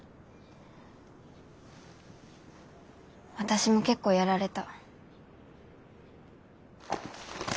私も結構やられた。